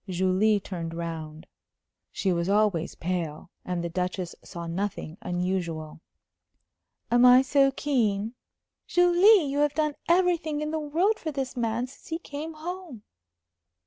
Julie turned round. She was always pale, and the Duchess saw nothing unusual. "Am I so keen?" "Julie, you have done everything in the world for this man since he came home."